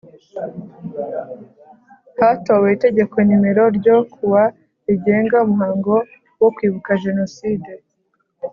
Hatowe itegeko nimero ryo kuwa rigenga umuhango wo Kwibuka Jenoside